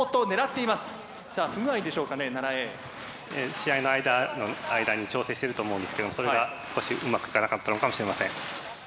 試合の間に調整してると思うんですけどもそれが少しうまくいかなかったのかもしれません。